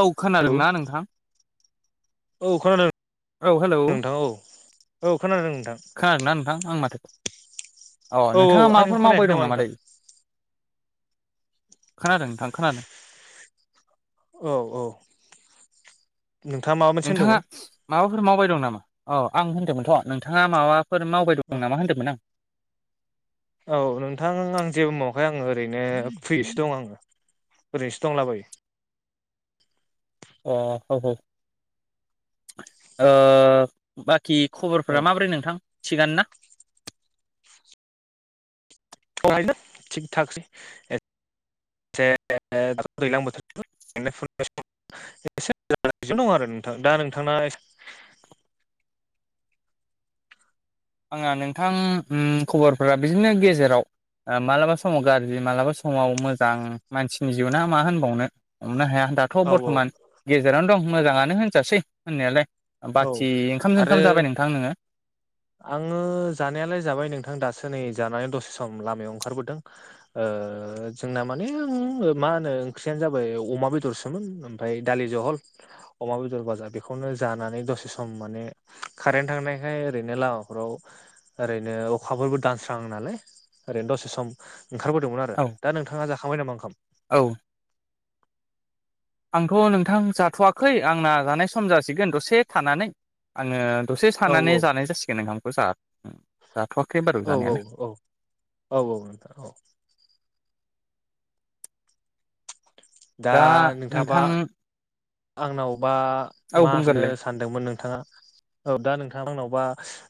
औव खोनादोंना नोंथां। औव औ हेलौ खोनादों नोंथां औव औव खोनादों नोंथां। खोनादोंना नोंथां आं माथोखौ अ औ औ नोंथाङा आंनिखौ माबाफोर मावबाय खोनायाखै दं नामा नोंथां नामादै खोनादों नोंथां खोनादों। औव औव नोंथाङा माबाफोर मावबाय दं नामा औ आं होनदोंमोनथ' नोंथाङा माबा फोर मावबाय दं नामा होन्दोंमोन आं। औव नोंथां आं जेबो मावाखाय आङो ओरैनो फैयोसो दं आङो। ओरैनोसो दंला बायो। [unintelligible] अ [unintelligible] ओ बाखि खबरफोरा माबोरै नोंथां थिगानो ना। [unintelligible] थिग थकसै ए दैज्लां बोथोर [unintelligible] एसे दं आरो नोंथां दा नोंथांना [unintelligible] आंना नोंथां उम खबरफोरा बिदिनो गेजेराव आ मालाबा समाव गाज्रि मालाबा समाव मोजां मानसिनि जिउना मा होनबावनो हमनो हाया दाथ' औ औ बर्थमान गेजेरावनो दं मोजाङानो होनजासै होननायालाय औ बाखि ओंखाम आरो जओंखाम जाबाय नोंथां नोङो। आङो जानायालाय जाबाय नोंथां दासो नै जानानै दसे सम लामायाव ओंखारबोदों ओ ओ जोंना माने मा होनो ओंख्रियानो जाबाय अमा बेदरसोमोन ओमफ्राय दालि जहल अमा बेदर बाजा बेखौनो जानानै दसे सम माने कारेन्ट थांनायखाय ओरैनो लामाफोराव ओरैनो अखाफोरबो दानस आंनालाय ओरैनो दसे सम ओंखारबोदोंमोन आरो दा नोंथाङा जाखांबाय नामा ओंखाम। औव आंथ' नोंथां जाथ'वाखै आंना जानाय सम जासिगोन दसे थानानै आङो दसे औ सानानै जानाय जासिगोन ओंखामखौ जा जाथ'वाखै बारु औव जानायालाय औव औव औव औव नोंथां औव। दा नोंथाबा आंनावबा औ मा होननो बुंगोरलाय सानदोंमोन नोंथाङा औव दा नोंथाङा आंनावबा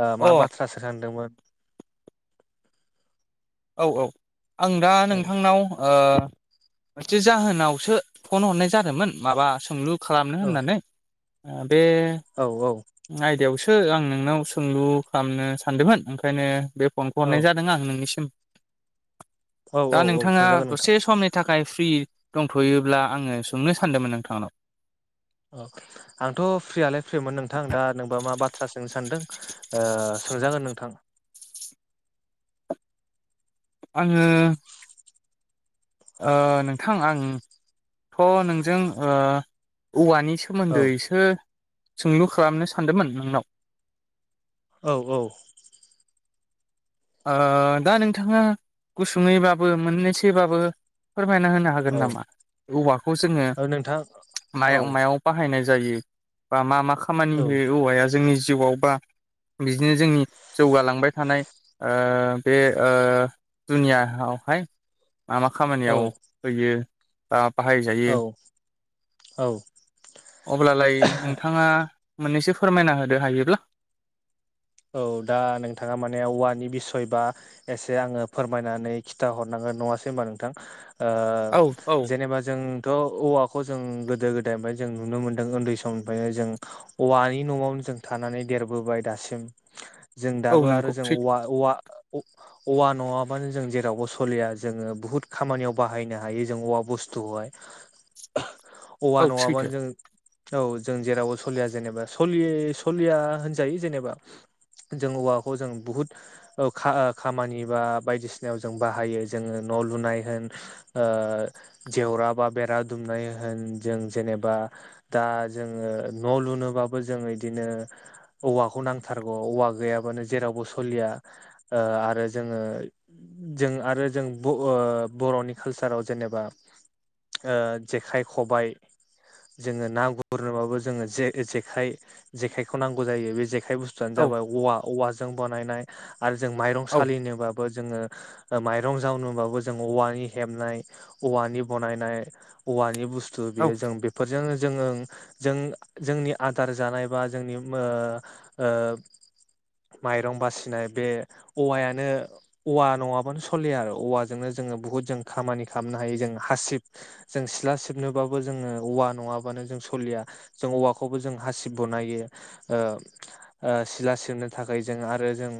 ओ अ मा बाथ्रासो सानदोंमोन। औव औव आं दा औ नोंथांनाव ओ बि जाहोनावसो फन हरनाय जादोंमोन माबा सोंलु खालामनो औ होननानै ओ बे औ आयदायावसो। ओ आं नोंनाव सोंलु खालामनो सानदोंमोन ओंखायनो बे फनखौ औ हरनाय जादों आं नोंनिसिम। औ औ दा औ नोंथाङा सोंजागोन नोंथां दसे समनि थाखाय फ्रि। दंथ'योब्ला आङो सोंनो सानदोंमोन नोंथांनाव। अ आंथ' फ्रियालाय फ्रिमोन नोंथां दा नोंबा मा बाथ्रा सोंनो सानदों ओ। सोंजागोन नोंथां। आङो। ओ नोंथां आंथ' नोंजों ओ औवानि। औ सोमोन्दै सो सोंलु खालामनो सानदोंमोन नोंनाव। औ औ ओ दा नोंथाङा गुसुङैबाबो मोननैसोबाबो फोरमायना होनो हागोन औ नामा औवाखौ जोङो औ नोंथां औ माया-मायाव बाहायनाय जायो बा मा मा खामानि होयो औवाया जोंनि जिउआव बा बिदिनो जोंनि जौगालांबाय थानाय ओ बे ओ दुनिया आवहाय मा मा औ खामानियाव होयो बा बाहायजायो औ औ अब्लालाय नोंथाङा मोननैसो फोरमायना होदो हायोब्ला औ दा नोंथाङा माने औवानि बिसय बा एसे आङो फोरमायनानै खिथाहरनांगोन नङासै होनबा नोंथां ओ औ औ जेनेबा जोंथ' औवाखौ जों गोदो गोदायनिफ्राय जों नुनो मोन्दों उन्दै समनिफ्रायनो जों औवानि न'आवनो जों थानानै देरबोबाय दासिम जों औ दाबो आरो नंगौ जों सैथो अवा अवा औवा नङाबानो जों जेरावबो सलिया जोङो बुहुत खामानियाव बाहायनो हायो जों औवा बुस थुआय [inaudible] औवा औ सैथो नङाबानो जों औ जों जेरावबो सलिया जेनेबा सलि सलिया होनजायो जेनेबा जों औवाखौ जों बुहुत औ खा खामानि बा बायदिसिनायाव जों बाहायो जोङो न' लुनाय होन ओ जेवरा बा बेरा दुमनाय जों जेनेबा दा जोङो न' लुनोबाबो जों इदिनो औवाखौ नांथार गौ अवा गैयाबानो जेरावबो सलिया ओ आरो जोंङो जों आरो जों ब ओ बर'नि कालचाराव जेनेबा ओ जेखाइ खबाय जोङो ना गुरनोबाबो जोङो जेखाय जेखायखौ नांगौ जायो बे जेखाय औ जाबाय औवा औव जों बानायनाय आरो जों माइरं औ सालिनोबाबो जोङो ओ माइरं जावनोबाबो जों औवानि हेबनाय औवानि बनायनाय औवानि बु स्थु औ बेयो जों बेफोरजों जोङो जों जोंनि आदार जानाय बा मो ओ जों माइरं बासिनाय बे औवायानो औवा नङाबानो सलिया आरो औवाजोंनो जों जोङो बहुत जों खामानि खालामनो हायो जों हासिब जों सिला सिबनोबाबो जोङो औवा नङा बानो जों सलिया जों औवाखौबो जों हासिब बनायो ओ ओ सिला सिबनो थाखाय जों आरो जों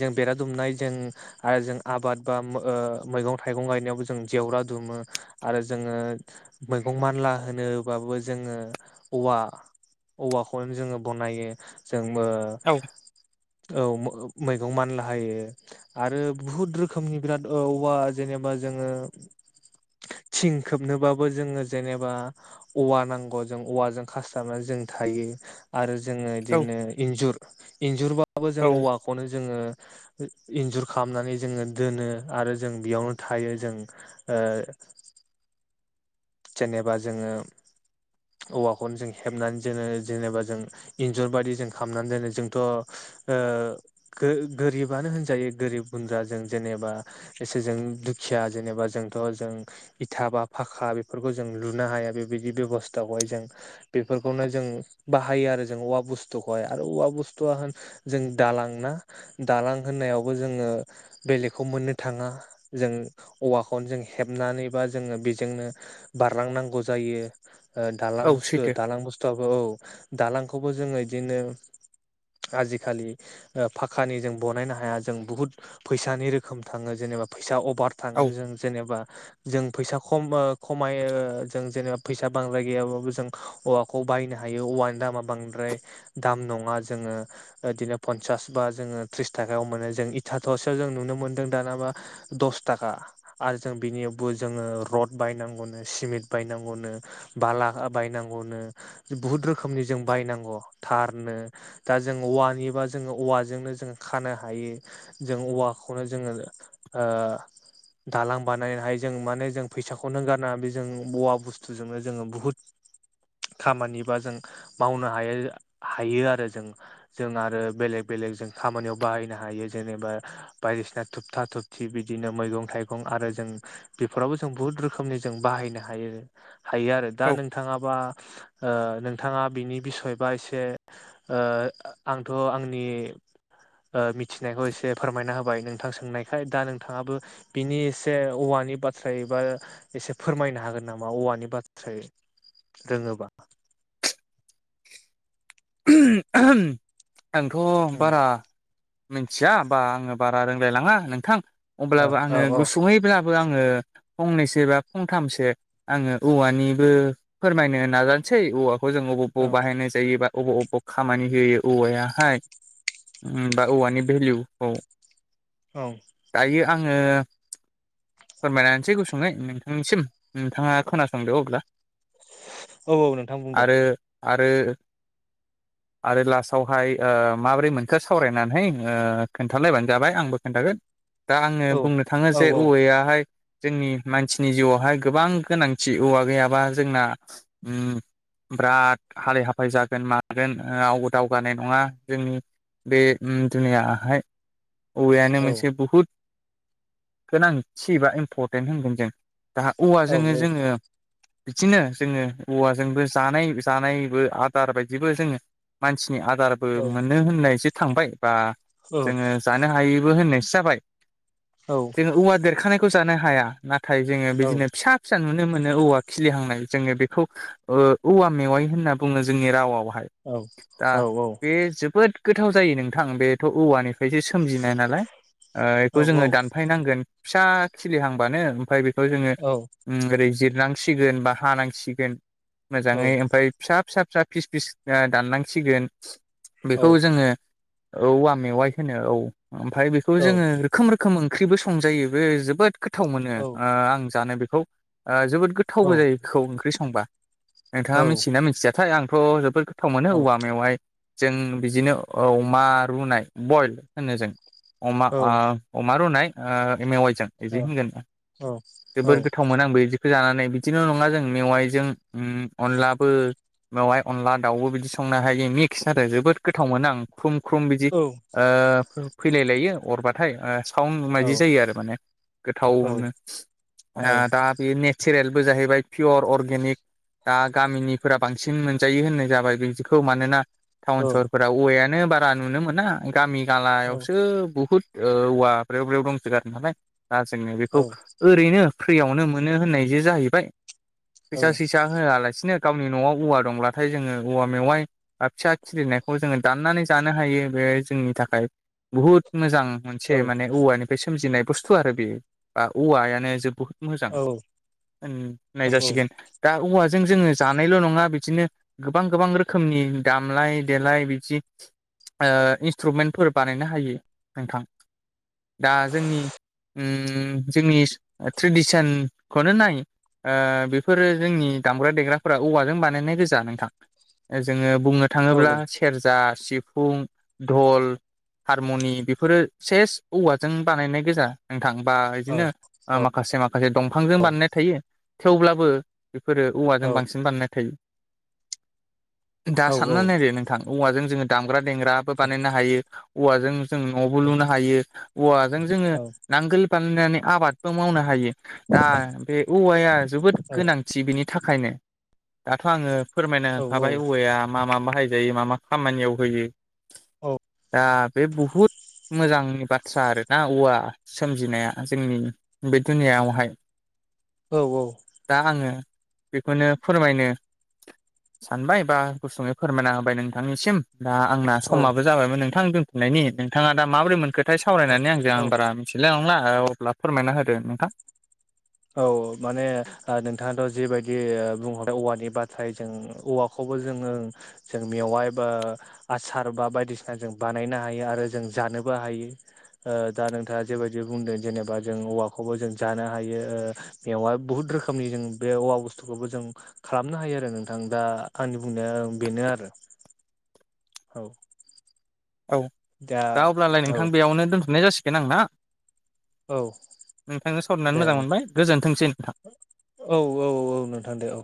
जों बेरा दुमनाय जों आरो जों आबाद बा ओ मैगं थाइगं गायनायावबो जों जेवरा दुमो आरो जोङो मैगं मानला होनोबाबो जोङो औवा औवाखौनो जोङो बनायो जों ओ औ औ मो मैगं मानला हायो आरो बुहुद रोखोमनि बिराद औ औवा जेनेबा जोङो थिं खोबनोबाबो जोङो जेनेबा औवा नांगौ जों औवाजों खासथाबनानै जों थायो आरो जोङो औ बिदिनो इन्जुर इन्जुरबाबो जों औ औवाखौनो जोङो इन्जुर खालामनानै जोङो दोनो आरो जों बेयावनो थायो जों ओ [inaudible] जेनेबा जोङो औवाखौनो जों हेबनानै जोङो जेनेबा जों बेफोर बायदि जों खालामनानै दोनो जोंथ' ओ गो गोरिबानो होनजायो गोरिब गु दा जों जेनेबा एसे जों दुखिया जेनेबा जोंथ' जों इथा बा फाखा बे फोरखौ जों लुनो हाया बेबादि बेबसथाखौहाय जों बेफोरखौनो जों बाहायो आरो जों बुस्थुखौहाय आरो औवा बुस्थुआ होन जों दालां ना दालां होननायावबो जोङो बेलेगखौ मोननो थाङा जों औवाखौनो जों हेबनानै बा जोङो बेजोंनो बारलांनांगौ जायो दालां औ बुस्थु सैथो दालां बुस्थुआबो औ दालांखौ बो जोङो बिदिनो आजिखालि ओ फाखानि जों बानायनो हाया जों बुहुत फैसानि रोखोम थाङो जों जा फैसा अभार थाङो जों जेनेबा जों फैसा खम खमाय जों जेनेबा फैसा बांद्राय गैयाबाबो जों औवाखौ बायनो हायो औवानि दामा बांद्राय द्राय दामम नङा जोङो बिदिनो फनसास बा थ्रिस थाखायाव मोनो जोङो इथा थर सेयाव जों नुनो मोनदों दानाबा दस थाखा आरो जों बेनियावबो जोङो रड बायनां गौनो, सिमेन्ट बायनांगौनो, बाला बायनांगौनो बहुट रोखोमनि जों बायनां अ थारनो दा जों औवानिबा औवाजोंनो खानो हायो औवाखौनो जोङो ओ दालां बानायनानैहाय जों माने जों फैसाखौनो गारनाङा बे जों औवा बुस्थुजोंनो जोङो बुहुद खामानिबा जों मावनो हायो आरो जों। जों आरो बेलेग बेलेग जों खामानियाव बाहायनो हायो जेने बा बायदिसिना थुबथा थुबथि बिदिनो मैगं थाइगं आरो जों बेफोराव जों बहुद रोखो मनि जों बाहायनो हायो हायो आरो दा नोंथाङाबा ओ नोंथाङा बेनि बिसयबा एसे ओ आंथ' आंनि ओ मिथिनायखौ एसे फोरमायना होबाय नोंथां सोंनायखाय। दा नोंथाङाबो बिनि एसे औवा नि बाथ्रायै बा एसे फोरमायनो हागोन नामा औवानि बाथ्रायै? रोङोबा ओहो आहाम आंथ' उम बारा मिथिया बा आङो बारा रोंलायलाङा नोंथां, ओ अब्लाबो औ आङो औ गुसुयैब्लाबो आङो फंनैसो बा फंथामसो आङो औवानिबो फोरमायनो नाजानोसै औवा खौ जों अबाव औ बाहायनाय जायोबा अबाव अबाव खामानि होयो औवायाहाय, बा औवानि भेलुखौ औ दायो आङो फोरमायलांसै गुसुङै नोंथांनिसिम नोंथाङा खोनासंदो अब्ला औ औ नोंथां बुंदे आरो आरो आरो लास्टावहाय माबोरै मोनखो सावरायनानै खोन्थालायबानो जाबाय आंबो खोन्थागोन दा आङो औ बुंनो थाङो औ जे औ औवयाहाय जोंनि मानसिनि जिउआवहाय गोबां गोनांथि, औवा गैयाबा जोंना ओम बिराद हालाय-हाफाय जागोन मागोन रावबो दावगानाय नङा जोंनि बे दुनियायाहाय औवायानो औ मोनसे बहुद गोनांथि बा इम्परटेन्ट होनगोन जों जोंहा औवाजोंनो जोङो बिदिनो जोङो औवाजोंबो जानाय जानायबो आ दार बायदिबो जोङो मानसिनि आदारबो मोनो होननायसो थांबाय बा औ जोङो जानो हायोबो होननायसो जाबाय। औ जोङो औवा देरखानायखौ खौ जानो हाया नाथाय जोङो औ बिदिनो फिसा फिसा नुनो मोनो औवा खिलिहांनाय जोङो बेखौ ओ औवा मेवाइ होनना बुङो जोंनि रावाव औ दा औ बे जोबोद गोथाव जायो नोंथां बेथ' औवानिफ्रायसो सोमजिनाय नालाय बेखौ जोङो दानफायनांगोन फिसा खिलिहांबानो ओमफ्राय बेखौ जोङो ओरै जि रनांसिगोन बा हानांसिगोन मोजाङै ओमफ्राय फिसा फिसा फिसा फिस फिस दाननांसिगोन बेखौ जोङो औवा मेवाइ होनो औ ओमफ्राय बेखौ जोङो रोखोम रोखोम ओंख्रिबो संजायो बे जोबोद गोथाव मोनो आं जानो बेखौ जोबोद गोथावबो जायो खौ ओंख्रि संबा नोंथाङा मिथियोना मिथियाथाय आंथ' जोबोद गोथाव मोनो औवा मेवाइ जों बिदिनो अमा रुनाय बइल होनो जों अमा ओ अमा रुनाय ओ मेवाइ जों बिदि होनगोन जोबोर गोथाव मोनो आं बे बिदिखौ जानानै बिदिल' नङा जों मेवाइजों ओम अनलाबो बेवहाय अनला दाउबो बिदि संनो हायो मिक्स आरो जोबोद गोथाव मोनो आं ख्रुम ख्रुम बिदि ओ फैलाय लायो अरबाथाय [inaudible] बायदि जायो आरो माने गोथावनो दा बेयो ने सारेयेलबो जाहैबाय पियर अर्गेनिक दा गामिनि फोरा बांसिन मोनजायो होननाय जाबाय बिदिखौ मानोना टाउन सहफोरा औवाया मानो बारा नुनो मोना गामि गालायावसो बुहुद ओ औवा ब्रेव ब्रेव दंसोगारो नालाय दा जोंङो बेखौ औ ओरैनो फ्रियावनो मोनो होननायसो जाहैबाय फैसा औ औ सैसा होआलासे गावनि न'आव औवा दंब्लाथाय जोङो औवा मेवाइ फिसा खिलिनायखौ जोङो दाननानै जानो हायो बे जोंनि थाखाय बुहुद मोजां मोनसे औ माने औवानिफ्राय सोमजिनाय बुस्थु आरो बेयो बा औवायानो जोबोद मोजां औ औ नायजासिगोन दा औवाजों जोङो जानायल' नङा बिदिनो गोबां गोबां रोखोमनि दामलाय देेलाय बिदि ओ इन्सट्रुमेन्टफोर बानायनो हायो नोंथां दा जोंनि ओम जोंनि ट्रेडिसनखौनो नाय ओ बेफोरो जोंनि दामग्रा देग्रा फ्रा औवाजों बानायनाय गोजा नोंथां जोङो बुंनो औ थाङोब्ला सेरजा सिफुं धल हारमुनि बेफोरो सेस औवाजों बानायनाय गोजा थां बा औ बिदिनो माखासे माखासे दंफांजों बानायनाय थायो थेवब्लाबो बेफोरो औ औवाजों बांसिन बानायनाय थायो दा औ साननानै नायदो नोंथां औवाजों जोङो दामग्रा देग्राबो बानायनो हायो औवाजों जों न'बो लुनो हायो औवाजों जोङो नांगोल बानायनानै आबादबो मावनो हायो दा बे औवाया जोबोद गोनांथि बेनि थाखायनो दाथ' आङो फोरमायना होखाबाय औवाया मा मा बाहायजायो मा मा खामानियाव होयो। औ। दा बे बहुत मोजांनि बाथ्रा आरोना औवा सोमजिनाया जोंनि बे दुनियायावहाय दा आङो बेखौनो फोरमायनो सानबाय बा गुसुङै फोरमायना होबाय नोंथांनिसिम दा आंना औ समाबो जाबायमोन नोंथां दोनथनायनि नोंथाङा दा माब्रै मोनखो? थाय सावरायनानै आंजों औ आं बारा मिथिलाय लांला अब्ला फोरमायना होदो नोंथां। औ माने नोंथाङाथ' जिबायदि बुंहरबाय औवानि बाथाय जों औवाखौ जोङो जों मेवाइ बा आसार बा बायदिसिना जों बानायनो हायो आरो जा नोबो हायो दा नोंथाङा जेबायदि बुंदों जेनेबा जों औवाखौबो जों जानो हायो। ओ बेवहाय बुहुत रोखोमनि जों बे औवा बुस्थुखौबो जों खालामनो हायो आरो नोंथां दा आंनि बुंनाया बेनो आरो। [inaudible] औ। औ दा अब्लालाय औ नोंथां बेयावनो दोनथ'नाय जासिगोन आं ना। औ नोंथांनो सावरायनानै दे मोजां मोनबाय गोजोनथोंसै नोंथां। औ औ औ नोंथां दे औ।